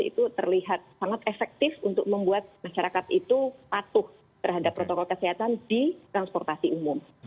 itu terlihat sangat efektif untuk membuat masyarakat itu patuh terhadap protokol kesehatan di transportasi umum